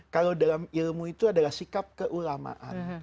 kalau dalam ilmu itu adalah sikap keulamaan